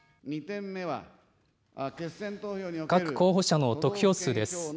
各候補者の得票数です。